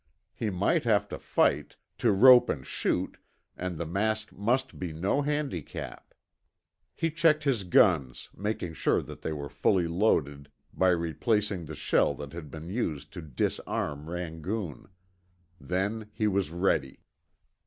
He might have to fight, to rope and shoot, and the mask must be no handicap. He checked his guns, making sure that they were fully loaded by replacing the shell that had been used to disarm Rangoon. Then he was ready.